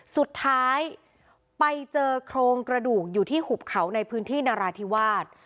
สุดท้ายไปเจอโครงกระดูกอยู่ที่หุบเขาในพื้นที่นราธิวาส